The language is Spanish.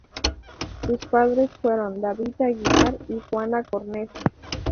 Sus padres fueron David Aguilar y Juana Cornejo.